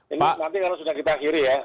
ini nanti kalau sudah kita akhiri ya